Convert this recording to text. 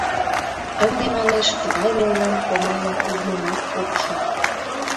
Ынде, манеш, тыгай мелнам команым ужмемат ок шу.